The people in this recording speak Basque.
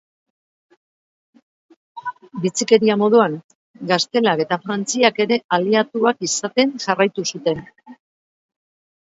Bitxikeria moduan, Gaztelak eta Frantziak ere aliatuak izaten jarraitu zuten.